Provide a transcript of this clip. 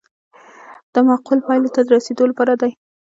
دا معقولو پایلو ته د رسیدو لپاره دی.